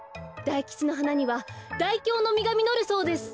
大吉の花には大凶のみがみのるそうです。